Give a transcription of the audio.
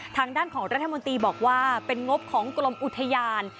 ทางด้านของรัฐมนตรีบอกว่าเป็นงบของกรมอุทยาน